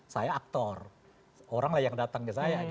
saya aktor oranglah yang datang ke saya